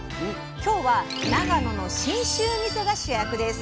今日は長野の信州みそが主役です！